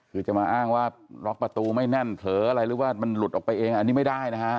คือจะมาอ้างว่าล็อกประตูไม่แน่นเผลออะไรหรือว่ามันหลุดออกไปเองอันนี้ไม่ได้นะฮะ